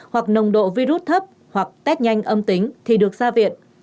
hoặc nồng độ virus thấp hoặc test nhanh âm tính thì được ra viện